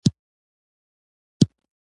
سپوږمۍ د احمد لور ده.